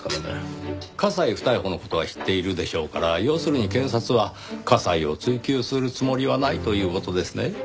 加西不逮捕の事は知っているでしょうから要するに検察は加西を追及するつもりはないという事ですね。